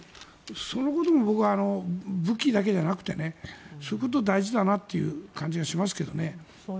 そのことが僕は武器だけじゃなくてそういうことも大事だなという感じがしますけどね。